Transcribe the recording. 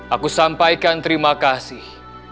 aku sampaikan terima kasih